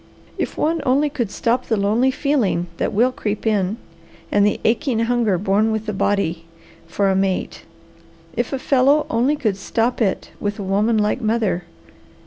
If one only could stop the lonely feeling that will creep in, and the aching hunger born with the body, for a mate; if a fellow only could stop it with a woman like mother!